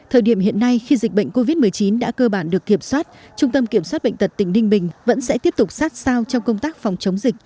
thời điểm hiện nay khi dịch bệnh covid một mươi chín đã cơ bản được kiểm soát trung tâm kiểm soát bệnh tật tỉnh ninh bình vẫn sẽ tiếp tục sát sao trong công tác phòng chống dịch